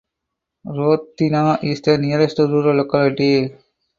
Rodina is the nearest rural locality.